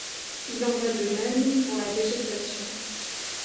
Il en va de même pour la végétation.